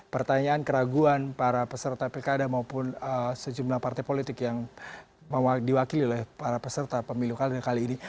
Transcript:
pertanyaan keraguan para peserta pilkada maupun sejumlah partai politik yang diwakili oleh para peserta pemilu kali ini